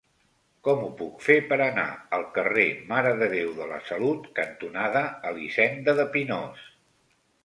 Com ho puc fer per anar al carrer Mare de Déu de la Salut cantonada Elisenda de Pinós?